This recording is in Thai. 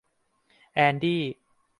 แอนดี้